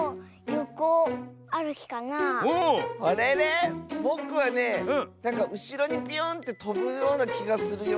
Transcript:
あれれ⁉ぼくはねなんかうしろにビューンってとぶようなきがするよ。